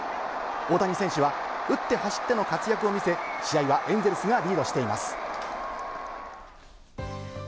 大谷選手は打って走っての活躍を見せ、試合はエンゼルスがリードしています。